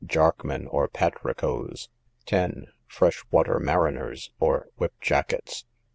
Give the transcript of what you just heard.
Jarkmen, or Patricoes. 10. Fresh Water Mariner's or Whip Jackets.